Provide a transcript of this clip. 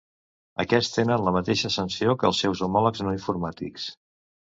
Aquests tenen la mateixa sanció que els seus homòlegs no informàtics.